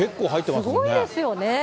すごいですよね。